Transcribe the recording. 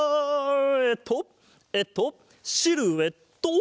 えっとえっとシルエット！